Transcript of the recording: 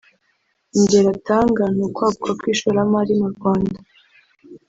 Ingero atanga ni ukwaguka kw’ishoramari mu Rwanda